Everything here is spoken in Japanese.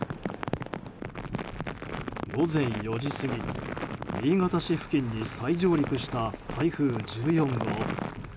午前４時過ぎ、新潟市付近に再上陸した台風１４号。